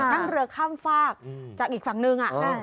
นั่งเรือข้ามฝากจากอีกฝั่งนึง